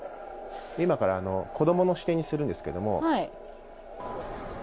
今から子供の視点にするんですけど。